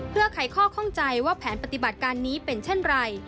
เพื่อไขข้อข้องใจว่าแผนปฏิบัติการนี้เป็นเช่นไร